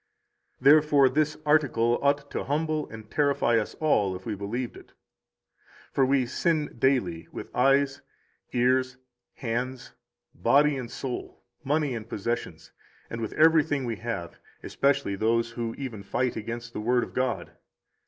22 Therefore, this article ought to humble and terrify us all, if we believed it. For we sin daily with eyes, ears, hands, body and soul, money and possessions, and with everything we have, especially those who even fight against the Word of God.